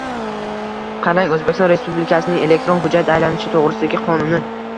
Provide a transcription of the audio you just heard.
Qarang: O‘zbekiston Respublikasining “Elektron hujjat aylanishi to‘g‘risida”gi Qonuni